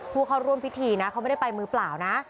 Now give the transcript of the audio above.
ผู้เข้าร่วมพิธีนะเขาไม่ได้ไปมือเปล่านะ